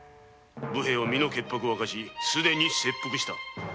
武兵衛は身の潔白をあかし既に切腹した！